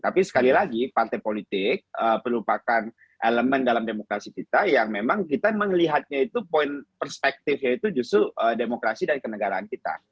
tapi sekali lagi partai politik perlupakan elemen dalam demokrasi kita yang memang kita melihatnya itu poin perspektifnya itu justru demokrasi dan kenegaraan kita